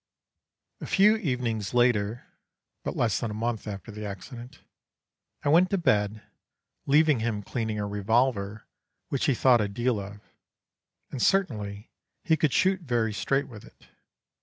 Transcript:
"A few evenings later, but less than a month after the accident, I went to bed, leaving him cleaning a revolver which he thought a deal of, and certainly he could shoot very straight with it.